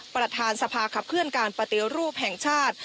ประธานสภาขับเคลื่อนการปฏิรูปแห่งชาติ